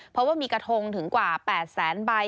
เพราะว่ามีกระทงถึงกว่า๘แสนใบ